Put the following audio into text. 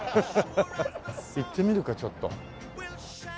行ってみるかちょっと。